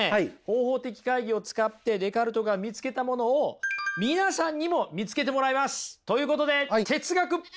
方法的懐疑を使ってデカルトが見つけたものを皆さんにも見つけてもらいます！ということで哲学プラクティス！